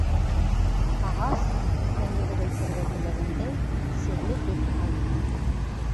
Ағас, беҙгә ниҙер әйтергә теләгәндәй, серле төҫ алды.